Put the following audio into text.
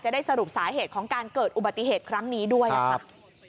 ได้สรุปสาเหตุของการเกิดอุบัติเหตุครั้งนี้ด้วยค่ะ